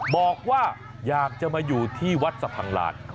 บอกว่าอยากจะมาอยู่ที่วัดสะพังลาน